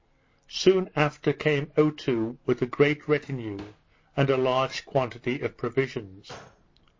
Soon after came Otoo, with a great retinue, and a large quantity of provisions.